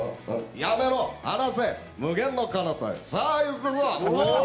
やめろ、離せ無限のかなたへさあ行くぞ。